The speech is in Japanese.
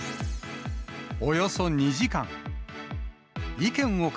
およそ２時間。